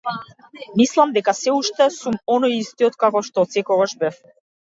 Мислам дека сѐ уште сум оној истиот каков што отсекогаш бев.